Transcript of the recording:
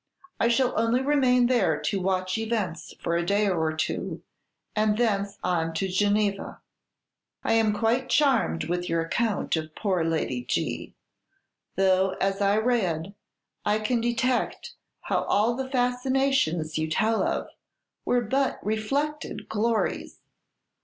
I shall only remain there to watch events for a day or two, and thence on to Geneva. "I am quite charmed with your account of poor Lady G , though, as I read, I can detect how all the fascinations you tell of were but reflected glories.